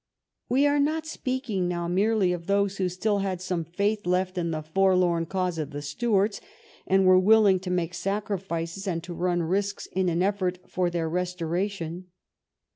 We are not speaking now merely of those who still had some faith left in the forlorn cause of the Stuarts, and were willing to make sacrifices and to run risks in an effort for. their restoration.